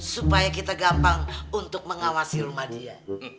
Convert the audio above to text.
supaya kita gampang untuk mengawasi rumah dia